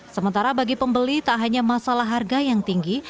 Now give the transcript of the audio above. sementara bagi pembeli tak hanya masalah harga yang tinggi